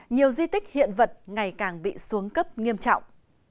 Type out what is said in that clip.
nhiều di tích hiện vật ngày càng bị xuống cấp nghiêm trọng